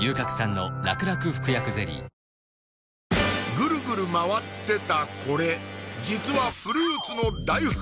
ぐるぐる回ってたこれ実はフルーツの大福！